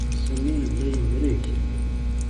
Sami yella yemreg.